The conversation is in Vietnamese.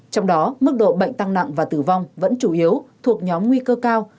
trong đó mức độ bệnh tăng nặng và tử vong vẫn chủ yếu thuộc nhóm nguy cơ cao